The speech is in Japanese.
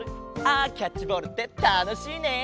あキャッチボールってたのしいね。